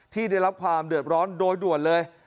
ที่ได้รับความเดือดร้อนโดยด่วนเลย